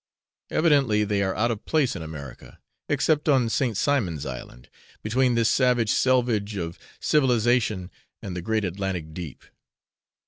Evidently they are out of place in America, except on St. Simon's Island, between this savage selvage of civilisation and the great Atlantic deep.